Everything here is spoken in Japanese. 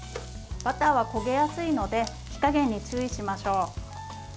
バターは焦げやすいので火加減に注意しましょう。